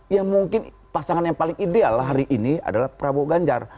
ya mungkin pasangan yang paling ideal hari ini adalah prabowo ganjar